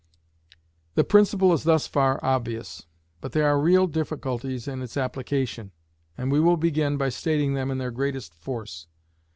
The principle is thus far obvious; but there are real difficulties in its application, and we will begin by stating them in their greatest force.